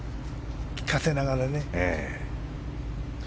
聞かせながらね。